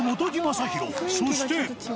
そして。